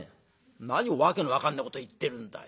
「何を訳の分かんないこと言ってるんだよ。